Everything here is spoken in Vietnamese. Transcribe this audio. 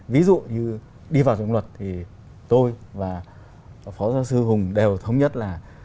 ví dụ như đi vào trong luật thì tôi và phó giáo sư hùng đều thống nhất là